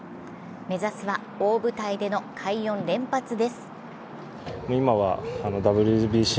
目指すは大舞台での快音連発です。